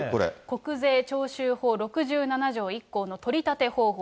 国税徴収法６７条１項の取り立て方法。